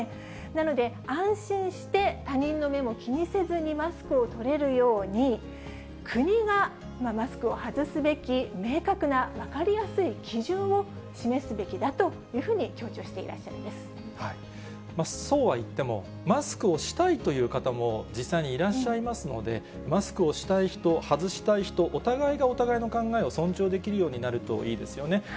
なので、安心して、他人の目も気にせずにマスクを取れるように、国が、マスクを外すべき、明確な、分かりやすい基準を示すべきだというふうに強調していらっしゃいそうは言っても、マスクをしたいという方も実際にいらっしゃいますので、マスクをしたい人、外したい人、お互いがお互いの考えを尊重できるようになるといいですよね。